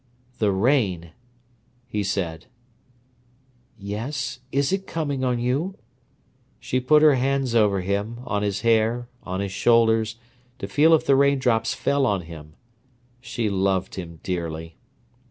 "The rain!" he said. "Yes—is it coming on you?" She put her hands over him, on his hair, on his shoulders, to feel if the raindrops fell on him. She loved him dearly.